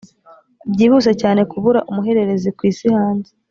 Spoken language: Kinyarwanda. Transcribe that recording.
byihuse cyane kubura umuhererezi kwisi hanze.